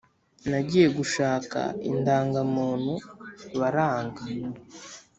Nagiye gushaka indangamuntu baranga